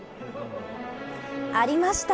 ありました。